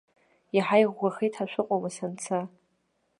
Иаҳа иӷәӷәахеит ҳәа шәыҟоума санца.